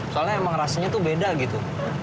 soalnya emang rasanya tuh beda gitu